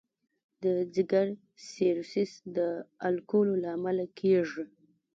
د ځګر سیروسس د الکولو له امله کېږي.